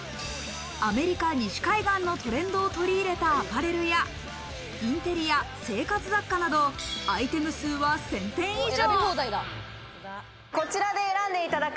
アメリカ西海岸のトレンドを取り入れたアパレルやインテリア、生活雑貨など、アイテム数は１０００点以上。